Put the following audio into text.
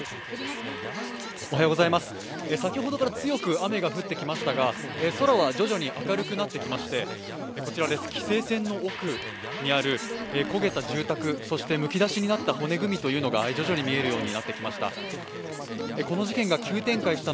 先ほどから強く雨が降ってきましたが空は徐々に明るくなってきまして、規制線の奥にある焦げた住宅そしてむき出しになった骨組みが徐々に見えるようになってきました。